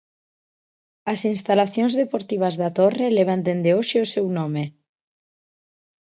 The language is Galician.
As instalacións deportivas da Torre levan desde hoxe o seu nome.